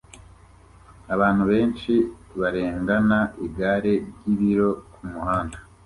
Abantu benshi barengana igare ryibiryo kumuhanda